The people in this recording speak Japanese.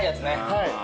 はい。